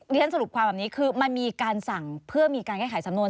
เรียนสรุปความแบบนี้คือมันมีการสั่งเพื่อมีการแก้ไขสำนวน